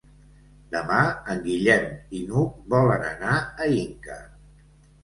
Demà en Guillem i n'Hug volen anar a Inca.